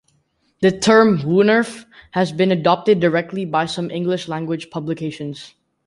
The term "woonerf" has been adopted directly by some English-language publications.